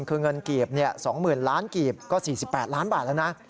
คือเงินกีบ๒๐๐๐ล้านกีบก็๔๘ล้านบาทแล้วนะ